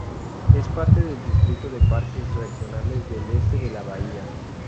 Es parte del Distrito de Parques Regionales del Este de la Bahía.